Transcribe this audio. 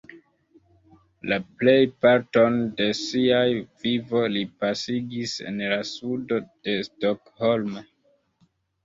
La plejparton de sia vivo li pasigis en la sudo de Stockholm.